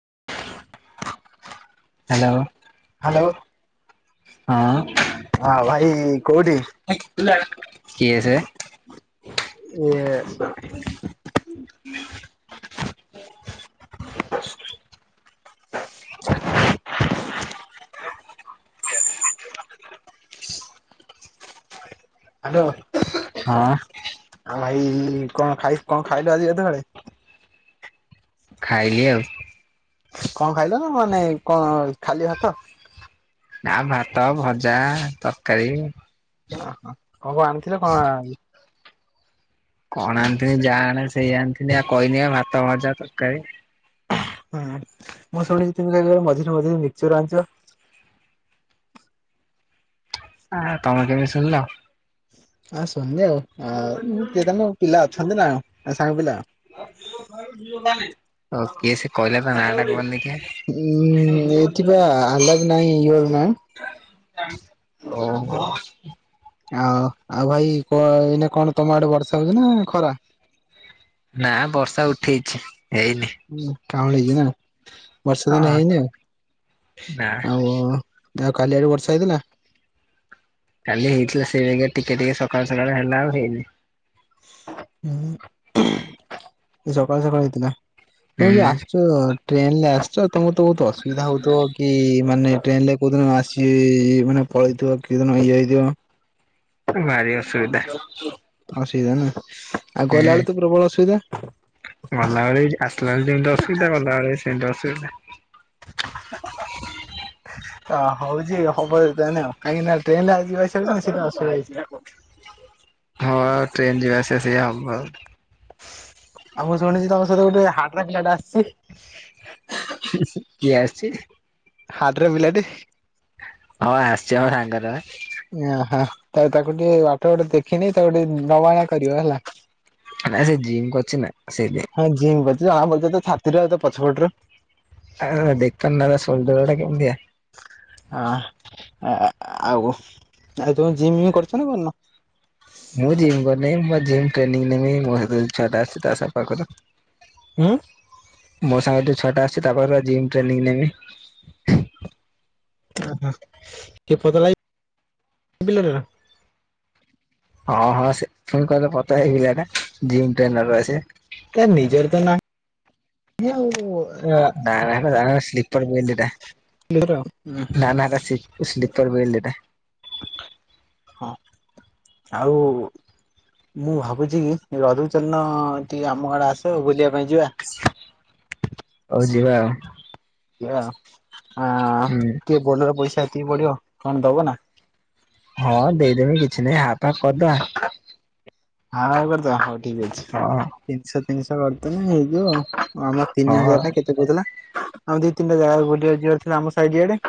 [inaudible] Hello hello ହଁ ହଁ ଭାଇ କୋଉଠି? କିଏ ସେ ଏ [inaudible] [inaudible] ହ୍ୟାଲୋ ଆଉ ହଁ ଭାଇ କଣ ଖାଇ କଣ ଖାଇଲୁ ଆଜି ଗାଧୁଆ ବେଳେ ଖାଇଲି ଆଉ କଣ ଖାଇଲ ନା ମାନେ କଣ ଖାଲି ଭାତ ନା ଭାତ ଭଜା ତରକାରୀ ଓହୋ କଣ କଣ ଆଣିଥିଲେ କଣ କଣ ଆଣିଥିଲି ଯାହା ଆଣେ ସେଇ ଆଣିିଥିଲି ଆଉ କହିଲି ଆ ଭାତ ଭଜା ତରକାରୀ ହୁଁ ମୁଁ ଶୁଣିଛି ତମେ କ ମଝିରେ ମଝିରେ ମିକ୍ସଚର୍ ଆଣିଛ ଆ ତମ କେମିତି ଶୁଣିଲ ହଁ ଶୁଣିଲି ଆଉ କିଏ ତମ ପିଲା ଅଛନ୍ତି ନା ସାଙ୍ଗ ପିଲା ଓ କିଏ ସେ କହିଲା ତା ନାଁ ଟା କୁହନି ଦେଖିଆ ଉଁ ଏଠି ବା ଆଲାପ ନହିଁ ଇର ନାହିଁ ଓ ଆଉ ଆଉ ଭାଇ କୁହ ଏଇ କଣ ତମ ଆଡେ ବର୍ଷା ହଉଛି ନା ଖରା? ନା ବର୍ଷା ଉଠେଇଛି। ହେଇନି କାଉଁଳି ହେଛି ନା ବର୍ଷାଦାନ ହଁ ହେଇନି ନା ଆଉ ଆଉ ଆଉ କାଲି ଏଡୁ ବର୍ଷ ହେଇଥିଲା। କାଲି ହେଇଥିଲା ସେଇ ବାଗିଆ ଟିକେ ଟିକେ ସକାଳୁ ସକାଳୁ ହେଲା ଆଉ ହେଇନି ହଁ ସକାଳେ ସକାଳେ ହେଇଥିଲା। ତୁମ ଯ ହୁଁ ଆସିଛ ଟ୍ରେନ ରେ ଆସିଛ ତମର ତ ବହୁତ ଅସୁବିଧା ହଉଥିବ କି ମାନେ ଟ୍ରେନ ରେ କୋଉଦିନ ଆସି ମାନେ ପଳେଇଥିବ କେଉଦିନ ଇଏ ହେଇଥିବ। ଭାରି ଅସୁବିଧା ହସିଇଦ ନା ଆଉ ହୁଁ ଗଲାବେଳେ ତ ପ୍ରବଳ ଅସୁବିଧା। ଗଲାବେଳେ ଆସିଲା ବେଳେ ଯେମିତି ଅସୁବିଧା ଗଲାବେଳେ ସେମିତି ଅ ସେ ଅ ହଉଛି ହବ କାହିଁକି ଟ୍ରେନ ଆଜି ସାସ ହ ଟ୍ରେନ ଯ ବସ ସ ଆଉ ମୁଁ ଶୁଣିଛି ତମ ସହିତ ଗୋଟେ ହାଟର ପିଲା ଟା ଆସିଛି। କିଏ ଆଛି। ହ୍ର ମିିଲଦ ହଁ ଆସିଛି ଆମ ସାଙ୍ଗରେ ଓହୋ ତା ତାକୁ ଟିକେ ବାଟ ଗୋଟେ ଦେଖିନି ତାକୁ ଟିକେ ନବାଆ କରିବ ହେଲା। ନା ସେ ଜିମ୍ କ ଅଛି ନା ସେଇ ହଁ ଜିମ୍ କରୁଛି ଜଣା ବଛ ତ ଛାତିରେ ତ ପଛପଟରୁ ହ ଦେଖତନ ସପ ଦବେେଳେ କେମିଆ ହ ଆଉ ଆଉ ତମେ ଜିମ୍ କରୁଛ ନା କନ ମୁଁ ଜିମ୍ କରିନ ଟେି ନେି ମୋ ଛୁଆ ଟାଛି ତା ସ ପାଖରୁ ହୁଁ ମୋ ସାଙ୍ଗେ ଛଅଟା ଆସଛି ତାପରେ ଜିମ୍ ଟ୍ରେନିଂ ନେବି କିଏ ପତ ଲିଲ ହଁ ହଁ ସେ ପୁଣି କହିଲ କଥା ହେଇ ଏଟା ଜିମ୍ ଟ୍ରେନର ଅ ତ ନିଜର ତ ନା ନା ଜଣ ସ୍ ଟା ନି ହ ବ ଦିଟା ହଁ ଆଉ ମୁଁ ଭାବୁଛି ରଘୁଚନ୍ଦଣ ଆମ ଆଡେ ଆସ ବୁଲିବା ପାଇଁ ଯିବା ହଉ ଯିବା ଆଉ ଏ ହଁ ହୁଁ କିଏ ବନର ପଇସା ଦ ବଢିବ କଣ ଦବ ନା? ହଁ ଦେଇଦେମି କିଛି ନାଇଁ ହାପ ହାପ କରିଦବା ହଁ କରଦ ଠିକ ଅଛି ହଁ। ତିନିଶ ଜିନିଷ କରିଦେନେ ହେଇଯିବ ଆଉ। ଆମର ତିନି ହଁ ହଜାର ଟା କେତେ କହୁଥିଲା ଆଉ ଦି ତିନିଟା ଜାଗା ବୁଲିବାକୁ ଯିବାର ଥିଲା ଆମ ସାଇଆଡେ।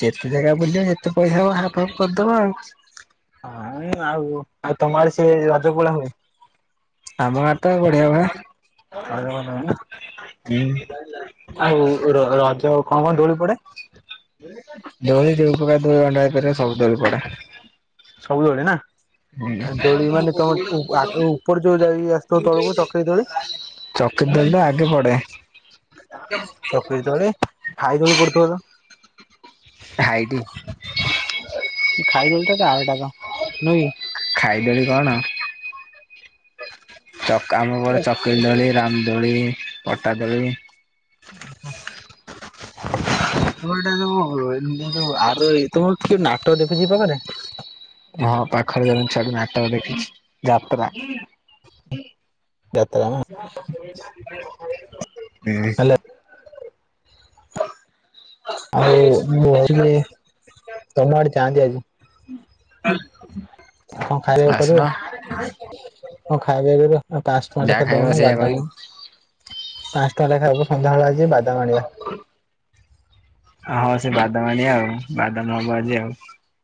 ଯେତେ ଜାଗା ବୁଲିବା ଯେତେ ପଇସା ହବ ହାପ ହାପ୍ କରିଦବା ଆଉ। ହଁ ଆଉ ଆଉ ତମର ସିଏ ରଜଗୋଳା ହୁଏ? ଆମ ଆଡେ ତ ବଢିଆ ବା ହୁଁ। [unintelligible] ଆଉ ର ର କଣ କଣ ଡୋଳି ପଡେ ଦୋଳି [unintelligible] ଭରେ ସବୁ ଥରକ ପଡେ। ସବୁବେଳେ ନା ଦୋଳି ମାନେ ତମ ଆଗେ ଉପର ଯୋଉ ଯାଇ ଆସଥ ତଳକୁ ଚକ ଦୋଳି ଚକିରି ଦୋଳି ତ ଆଗେ ପଡେ ଚକ ତଳେ ଖାଇ ଦୋଳି ପୁଦୁଥିବ ତ ଖାଇଟି ଏ ଖାଇ ଦୋଳି ଟା ତ ଆରଟା ତ ନୁହେଁ କି ଖାଇଦଳି କଣ? ଆମ ଗଡ ଚକି ଦୋଳି, ରାମ ଦୋଳି କ ଦୋଳି, ପଟା ଦୋଳି ତ ଏଇଟା ଯୋଉ ଏ ଯୋଉ ଆର ତମ କିଉ ନାଟକ ଦେଖୁଛି ପାଖରେ ହଁ ପାଖରେ ଜଣ ଛଆଡେ ନାଟକ ଦେଖିଛି ଯାତ୍ରା [unintelligible] ଯାତ୍ରା ନା ହ ଆଉ ବ ତମ ଆଡେ ଚାଁନ୍ତିି ଆଜି କଣ ଖାଇବାକୁ ଆସୁନ କରିବ କଣ ଖାଇବା କର ଆ ପାଞ୍ଚ ଟଙ୍କା ଯାହା ଖାଇବ ଲଖାଦଉନି ସେଇଆ ରାଜା କହିବୁ। ପାଞ୍ଚ ଟଙ୍କ ଲେଖା ହବସନ୍ଧ୍ୟାବେଳେ ବାଧାମ ଣଆ ହଁ ସେ ବାଦାମଣି ଆଉ ବାଦାମ ହବ ଆଜି ଆଉ।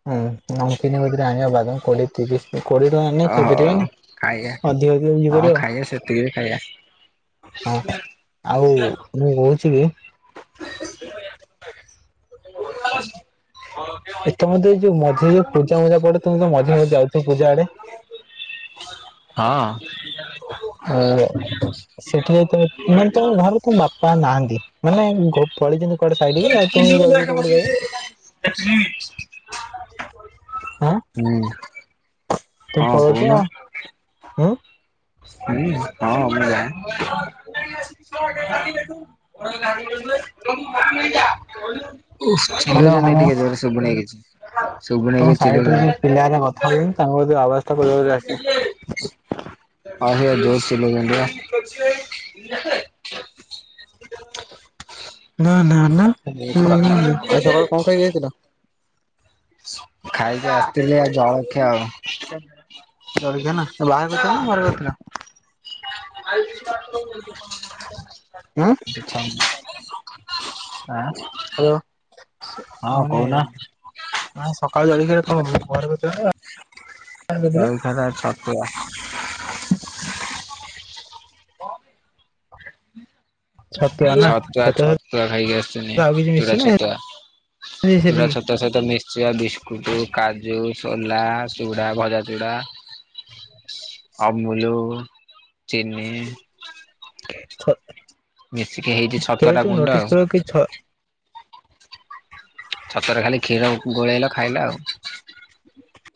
ହୁଁ ନମ କିିନି ହଦ୍ରି ଆଣିଆ ବାଦମ କୋଡ଼ିଏ ତିରିଶ୍ କୋଡିଏ ଟଙ୍କା ଆଣିଲେ ଓ ହଉ ଖାଇପାରିବନି ଖାଇବା ଅଧିକ ଅଧିକ ହଁ କରିବା ଖାଇବା ସେତିକିରେ ଖାଇବା ହଁ ଆଉ ମୁଁ କହୁଛି କି ଏ [unintelligible] ତମେ ତ ଯୋଉ ମଝିରେ ଯୋଉ ପୂଜା ମୂଜା ପଡେ ତମେ ତ ମଝି ମଝି ଯାଉଛ ପୂଜା ଆଡେ ହଁ। ହୁଁ ହଁ ସେଠି ଯାଇାନେ ତ ଘରେ ତ ବାପା ନାହାନ୍ତି ମାନେ ପଳେଇ ଯେମ ିଲଖା ହୁଁ ତୁ ପ ତ ହୁ ହଁ ମୁ ିକଛି ସବୁ ହ୍ୟାଲୋ ହ୍ୟାଲୋ ନେଇକିଛି ତମ ସାଇଟରେ ଯ ପିଲା କଥା ହଛନ୍ତି ତାଙ୍କ ବଲରେ ଆସେ ଆଉ ଜୋର [inaudible] ନା ନା ଆ ଏମିତି କଥା ସକାଳ କମ ଖାଇ ଗାଇଥିଲ ଖାଇକି ଆସିଥିଲି ଆଉ ଜଳଖିଆ ଆଉ ହ ଚଳଖି ନା ବାହାର କରିଥିଲା ନା ବାର କରିଥିଲା [inaudible] ହଁ ହ ଆ ମାନେ କହୁନା ସକାଳ ଜଳିକି କଣଥିଲା ଜଳଖିଆରେ ହ ହଁ [inaudible] ଛତୁଆ ଛତୁଆ ଖାଇକି ଆସିୁଛନ୍ତିି ସହିତ ଆଉ କିଛି ଚୁଡ଼ା ମିଶିଛି ନା ଛତୁଆ ଚୁଡ଼ା ସେତିକି ଛତୁଆ ସହିତ ମିଶଆ ବିସ୍କୁଟ କାଜୁ ସୋଲା ଚୁଡା ଭଜା ଚୁଡା ଅମୁଲ ଚି [inaudible] ମିଶିକି ହେଇଛି କେବେ ଛତଟା ତୁ ଗୁଣ୍ଡ ନୋଟିସ୍ ଆଉ କର କି ଛ ଛତୁଆରେ ଖାଲି କ୍ଷୀର ଗୋଳେଇଲ ଖାଇଲା ଆଉ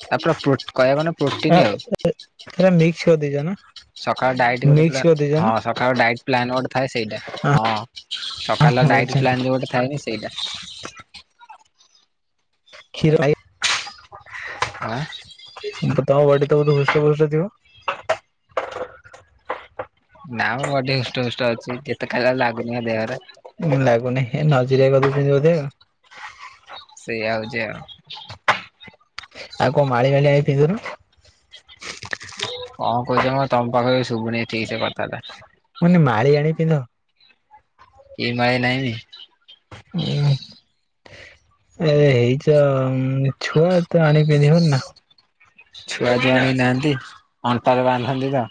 ତାପଣ କୟା କନ ପ୍ରୋଟିନି ଆଉ ସେଟା ମିକ୍ସ କରିଦେଇଛ ନା ସକାଳ ଡାଇଟ୍ ମିକ୍ସ ଗୋଟେ କରିଦେଇଛ ହଁ ନା ସକାଳ ଡାଇଟ୍ ପ୍ଲାନ ଗୋଟେ ଥାଏ ସେଇଟା ହଁ ସକାଳ ହଉ ଡାଇଟ୍ ପ୍ଲାନ ଯୋଉ ଗୋଟେ ଥାଏନି ସେଇଟା କ୍ଷୀର ଆୟୁ ଆଁ ଥାଉ ବଟ ବହୁତ ହୃଷ୍ଟ ଫଷ୍ଟ ଥିବ ନା ମୁଁ ବଟେ ହୃଷ୍ଟ ହୃଷ୍ଟ ଅଛି ଯେତେ କା ଲାଗୁନି ଦେହରେ ଲାଗୁନି ଏ ନଜରିଆ କଦେଇ ଛନ୍ତି ବୋଧେ ଆଉ ସେଇ ଆଉଚି ଆଉ ଆଉ କଣ ମାଳି ଫାଳି ଆ ପିନ୍ଧୁନ କଣ କହୁଛ ତମ ପାଖ ବି ଶୁଭୁନି ଠିକ୍ ସେ କଥା ଟା ମାନେ ମାଳି ଆଣି ପିନ୍ଧ ଅ କି ମାଳି ନହିଁ। ହୁଁ ଏ ଏରେ ଅ ଛୁଆ ତ ଆଣି ପିନ୍ଧିବ ନା ଛୁଆ ଜୁ ଆଣୀନାହାନ୍ତି ଅଣ୍ଟାରେ ବାନ୍ଧନ୍ତି ତ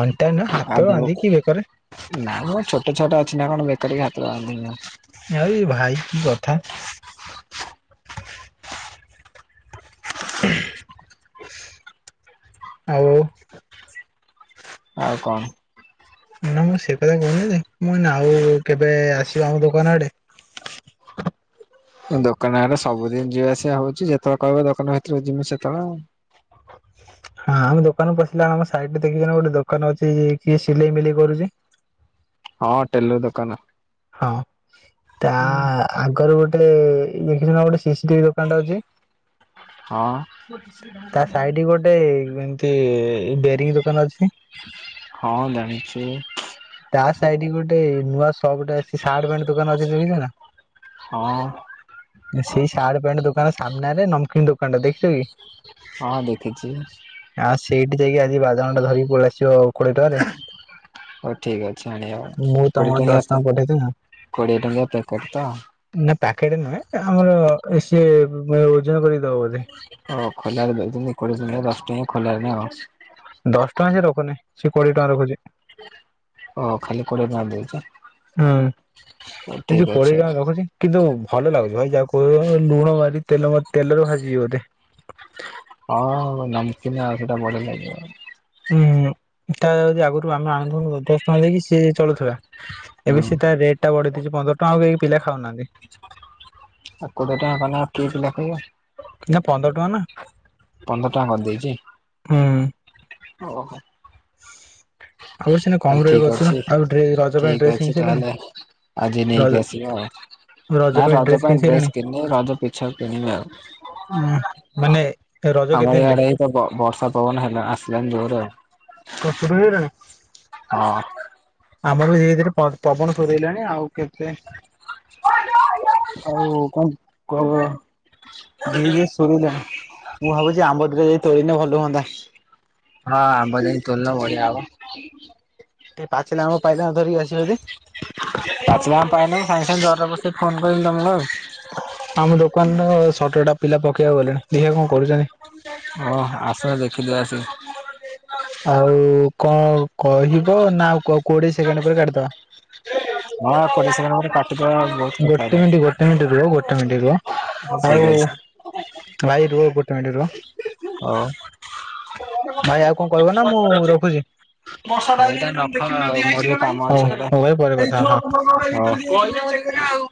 ଅଣ୍ଟା ନା ଆଉ ହାତ ମୁଁ ବାନ୍ଧ କି ବେକରେ ଏ କିନା କଣ ବେକରେି ହାତ ବାନ୍ଧିନି ଭାଇ ଭାଈ କି କଥା? [inaudible] ଆଉ ଉ ଆଉ କଣ? ନା ମୁଁ ସେ କଥା କହୁନି ଯେ ମୁଁ ନାଉ କେବେ ଆସିବ ଆମ ଦୋକାନ ଆଡେ ଦୋକାନ ଆଡା ସବୁଦିନ ଯିବା ଆସିବା ହଉଛି ଯେତେବେଳେ କହିବ ଦୋକାନ ଭିତରେ ଯିଵୁ ସେତେବେଳେ ଆଉ ହଁ ଆମେ ଦୋକାନ ପଶିଲା ଆମ ସାଇଟି ଦେଖିକିନା ଗୋଟେ ଦୋକାନ ଅଛି କି ସିଲେଇ ମିଲେଇ କରୁଛି। ହଁ ଟେଲୁ ଦୋକାନ ଅ ହଁ ତା ଆଗରୁ ଗୋ୍ ଲେ ଦେଖୁଛି ନା ଗୋଟେ ସିସିଟିଭି ଦୋକାନ ଟେ ଅଛି। ହଁ ତା ସାାଇଡ ଗୋଟେ ମ୍ ଏ ବେରୀଇଙ୍ଗୀ ଦୋକାନ ଅଛି। ହଁ ଜାଣିଚି ସାଇଟଟି କି ଗୋଟେ ନୂଆ ସପ୍ ଆସ୍ ସାର୍ଟ ପ୍ୟାଣ୍ଟ ଦୋକାନ ଅଛି ଦୁହି କେମିତି ହଁ ଯାଣୀଲା ସେଇ ସାର୍ଟ ପ୍ୟାଣ୍ଟ ଦୋକାନ ସାମ୍ନାରେ ନ୍ କିନ୍ତୁ କଣ୍ଡା ଦେଖ୍ ହଁ ଦେଖିଚି ଆଉ ସେଇଠି ଯାଇକି ଆଜି ବାଦିମ ଟା ଧରିକି ପଳି ଆସିଚି ଆଉ ହଉ ଠିକ ଅଛି ଆଣିବା ମୁଁ କୋଡିଏ ତମର ଦଶ ଟଙ୍କା ଟଙ୍କିଆପାକ୍ ପଠେଇଦେବି କୋଡିଏ ଟଙ୍କିଆ ପ୍ୟାକେଟ ତ ନା ପ୍ୟାକେଟ ନୁହେଁ। ଆମର ଏ ସି ଓଜନ କରିକି ଦେବ ବୋଧେ ହଉ [unintelligible] ଖୋଲାରେ ଦେଇଛନ୍ତି କୋଡିଶ ମିନଟ ଦଶଟାଁ ଖୋଲାରେ ନାଁ ଆଉ ଦଶ ଟଙ୍କା ସେ ରଖୁନି ସେ କୋଡିଏ ଟଙ୍କା ରଖୁଛି ଓ ଖାଲି କୋଡିଏ ଟଙ୍କା ଦେଇଛି। ହୁଁ ହଉ ସେ ଠିକ ଯୋଉ ଅଛି କୋଡିଏ ଟଙ୍କା ରଖୁଛି କିନ୍ତୁ ଭଲ ଲାଗୁଛି ଭାଇ ଯାହା କହ ଲୁଣ ମାରି ତେଲ ତେଲରେ ଭାଜିଚି ବୋଧେ ହଁ ନମକିନା ଆଉ ସେଇଟା ବଢି ଲାଗିବ। ଉୁଁ ତା ଯଦି ଆଗରୁ ଆମେ ଆଣୁୁ ଦଶ ଟଙ୍କା ଦେଇକି ସିଏ ଚଳୁଥିବା ଏବେ ହୁଁ ସେ ତା ରେଟ୍ ଟା ବଢ୍ ପନ୍ଦର ଟଙ୍କା କେକି ପିଲା ଖାଉନାହାନ୍ତି। ଆଉ କୋଡିଏ ଟାଙ୍କା କଲେ କିଏ ପିଲା ଖାଇବ ନା ପନ୍ଦର ଟଙ୍କା ପନ୍ଦର ଟଙ୍କା କରିଦେଇଛି। ନା ହୁଁ ଓହୋ [inaudible] କମ ପାଞ୍ଚ ରେଟ୍ ହିକ କରିଥିଲୁ ଅଛି ଠିକ ଆଉ ଡ୍ରେ ରଜ ଅଛି ପାଇଁ ଠିକ ଡ୍ରେସ୍ କିଣି ଅଛି ସାରିଲଣି ତାହେଲେ ଆଜି ରଜ ନେଇକି ଆସିବେ ଆଉ ନା ରଜ ପାଇଁ ଡ୍ରେସ୍ କିଣିବ ରଜ ପିଛ କିଣିବେ ଆଉ ମାନେ ରଜ ଆମର କେତେ ଦିନ ଲେ ଇଆଡେ ତ ବର୍ଷା ପବନ ହେଲା ଆସିଲାନ ଜୋର ଆଉ କସୁର ହେଇଲାଣି? ଆଉ ହଁ। ଆମର ବି ଧୀରେ ଧୀରେ ପବନ ଥୋରାଇଲାଣି ଆଉ କେତେ ହଉ କଣ କହ ଧୀରେ ଧୀରେ ସୋରୁଣାଣି ମୁଁ ଭାବୁଛି ଆମ୍ବ ଦିଟା ଯାଇ ତୋଳିନେ ଭଲ ହୁଅନ୍ତା। ହଁ ଆମ୍ବ ଯାଇ ତୋଳିଲେ ବଢିଆ ହବ [inaudible] ଏ ପାଚିଲା ଆମ ପାଇଲା ଧରିକି ଆସିବ ଇଡି ପାଚିଲା ଆ ପାଇନା ସାଙ୍ଗେ ସାଙ୍ଗେ ଜରଟା ବସି ଫୋନ କରି ତମକୁ ଆଉ ଆମ ଦୋ ଦୋକାନ ର ସଟର ଟା ପିଲା ପକେଇବାକୁ ଗଲେଣି ଦେଖିଆ କଣ କରୁଛନ୍ତି। ହଁ ଆସ ଦେଖିଦବ ଆସ ଆଉ କଣ କହିବ ନା କୋଡିଏ ସେକେଣ୍ଡ ପରେ କାଟିି ଦବା। ହଁ କୋଡିଏ ସେକେଣ୍ଡ ପରେ କାଟିଦବା ବହୁତ କଥା ଗୋଟେ ହେଲାଣି ମିନିଟ ଗୋଟେ ମିନିଟ ରୁହ ଗୋଟେ ମିନିଟ ରୁହ ହଉ ଠିକ ଆଉ ଅଛି ଭାଇ ରୁହ ଗୋଟେ କାଟି ଦ ହଁ ଭାଇ ଆଉ କଣ କହିବ ନା ମୁଁ ରଖୁଛି। ହଁ କାମ ହଉ ଅଛି ହଉ ଭାଇ ପରେ କଥା ହଉ। ହୋଉ